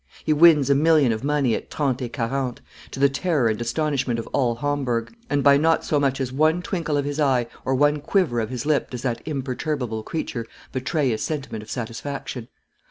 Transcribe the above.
He wins a million of money at trente et quarante, to the terror and astonishment of all Homburg; and by not so much as one twinkle of his eye or one quiver of his lip does that imperturbable creature betray a sentiment of satisfaction.